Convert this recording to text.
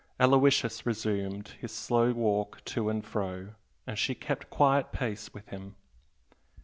Aloysius resumed his slow walk to and fro, and she kept quiet pace with him.